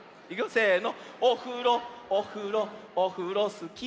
せの。